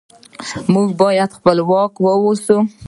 موږ باید خپلواک اوسو.